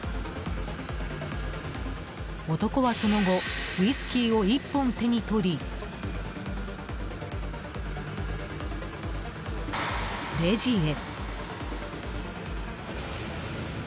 男は、その後ウイスキーを１本手に取りレジへ。